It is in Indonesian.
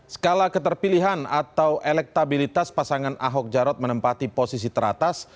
skala keterpilihan atau elektabilitas pasangan ahok jarot menempati posisi teratas